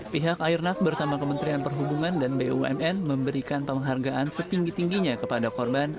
pihak airnav bersama kementerian perhubungan dan bumn memberikan penghargaan setinggi tingginya kepada korban